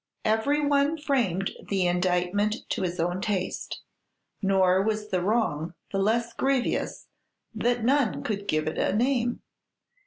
Every one framed the indictment to his own taste; nor was the wrong the less grievous that none could give it a name.